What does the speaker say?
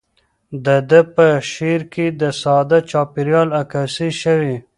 د ده په شعر کې د ساده چاپیریال عکاسي شوې.